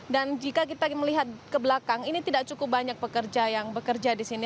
dan jika kita melihat ke belakang ini tidak cukup banyak pekerja yang bekerja di sini